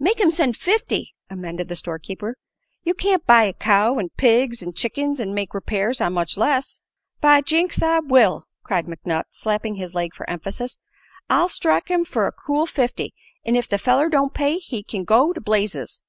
"Make him send fifty," amended the store keeper. "You can't buy a cow, an' pigs, an' chickens, an' make repairs on much less." "By jinks, I will!" cried McNutt, slapping his leg for emphasis. "I'll strike him fer a cool fifty, an' if the feller don't pay he kin go to blazes.